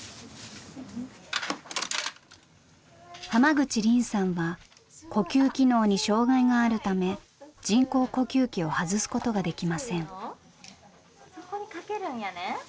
口凜さんは呼吸機能に障害があるため人工呼吸器を外すことができません。